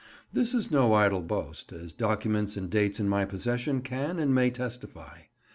This is no idle boast, as documents and dates in my possession can and may testify.